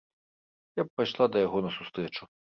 Я б пайшла да яго на сустрэчу.